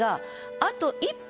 「あと一本」。